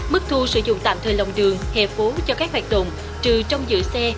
mức thu sử dụng tạm thời lòng đường hè phố cho các hoạt động trừ trong giữ xe